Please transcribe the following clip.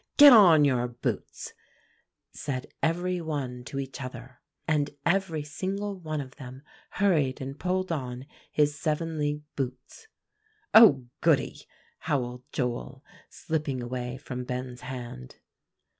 Get on your boots,' said every one to each other. "And every single one of them hurried and pulled on his seven league boots." "Oh, goody!" howled Joel, slipping away from Ben's hand.